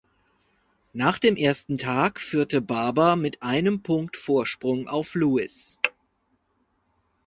Nach dem ersten Tag führte Barber mit einem Punkt Vorsprung auf Lewis.